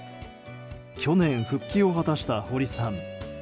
去年、復帰を果たした堀さん。